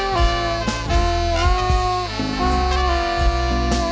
เมื่อเวลาเมื่อเวลา